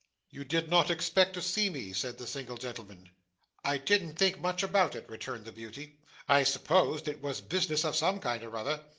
'You did not expect to see me?' said the single gentleman. 'I didn't think much about it,' returned the beauty. 'I supposed it was business of some kind or other.